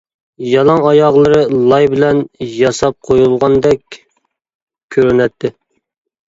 يالاڭ ئاياغلىرى لاي بىلەن ياساپ قويۇلغاندەك كۆرۈنەتتى.